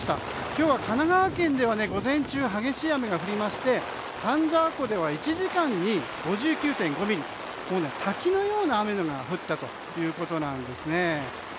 今日は神奈川県では午前中、激しい雨が降りまして丹沢湖では１時間に５５９．５ミリと滝のような雨が降ったということです。